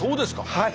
はい。